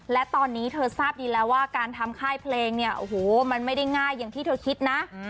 และตอนนี้เธอทราบดีแล้วว่าการทำค่ายเพลงเนี่ยโอ้โหมันไม่ได้ง่ายอย่างที่เธอคิดนะ